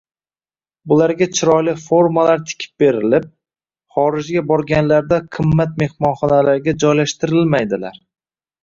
Bularga chiroyli formalar tikib berilib, xorijga borganlarida qimmat mehmonxonalarga joylashtirilmaydilar.